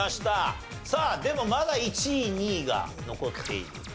さあでもまだ１位２位が残っている。